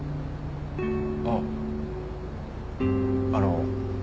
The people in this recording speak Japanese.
あっあの。